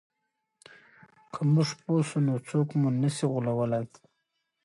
که موږ پوه سو نو څوک مو نه سي غولولای.